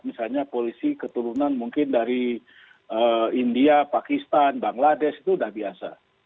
misalnya polisi keturunan mungkin dari india pakistan bangladesh itu sudah biasa